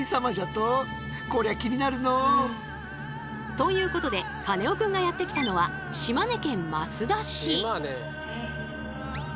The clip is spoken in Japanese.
ということでカネオくんがやって来たのは島根。